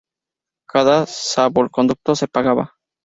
Cada salvoconducto se pagaba.